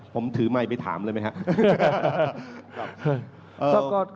ผมถือไมค์ไปถามเลยไหมครับ